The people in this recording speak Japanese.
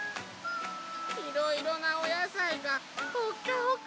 いろいろなおやさいがほっかほか！